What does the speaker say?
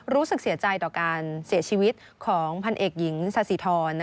รู้สึกเสียใจต่อการเสียชีวิตของพันเอกหญิงสาธิธร